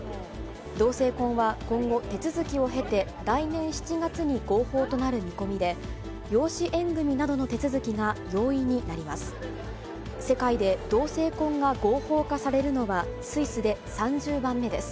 同性婚は今後、手続きを経て、来年７月に合法となる見込みで、養子縁組みなどの手続きが容易になります。